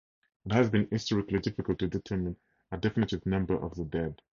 It has been historically difficult to determine a definitive number of the dead.